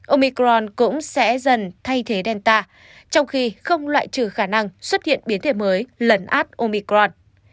omicron cũng sẽ dần thay thế delta trong khi không loại trừ khả năng xuất hiện biến thể mới lần át omicron